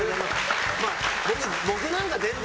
僕なんか全然。